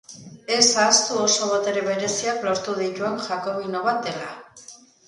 Ez ahaztu oso botere bereziak lortu dituen jakobino bat dela!